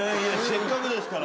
せっかくですから。